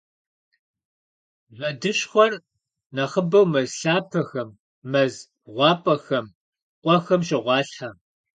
Вэдыщхъуэр нэхъыбэу мэз лъапэхэм, мэз гъуапӏэхэм, къуэхэм щогъуалъхьэ.